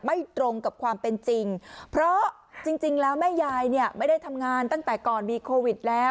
ไม่ตรงกับความเป็นจริงเพราะจริงแล้วแม่ยายเนี่ยไม่ได้ทำงานตั้งแต่ก่อนมีโควิดแล้ว